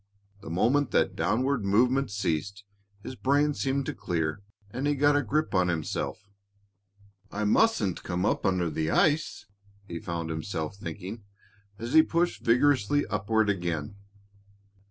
The moment that downward movement ceased, his brain seemed to clear and he got a grip on himself. "I mustn't come up under the ice," he found himself thinking, as he pushed vigorously upward again.